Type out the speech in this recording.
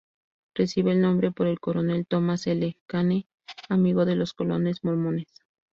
Recibe el nombre por el coronel Thomas L. Kane, amigo de los colonos mormones.